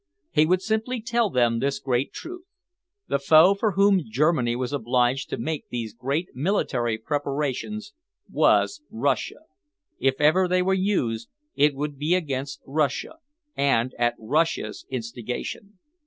He would simply tell them this great truth, the foe for whom Germany was obliged to make these great military preparations was Russia. If ever they were used it would be against Russia, and at Russia's instigation.